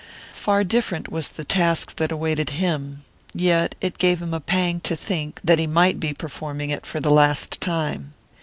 Far different was the task that awaited him yet it gave him a pang to think that he might be performing it for the last time.